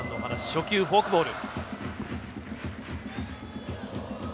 初球、フォークボール。